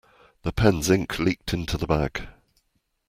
The pen's ink leaked into the bag.